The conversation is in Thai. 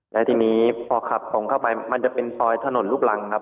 แล้วทีนี้พอขับตรงเข้าไปมันจะเป็นซอยถนนลูกรังครับ